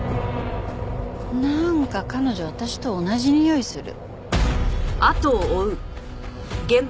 なんか彼女私と同じにおいする。